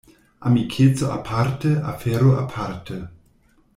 Amikeco aparte, afero aparte.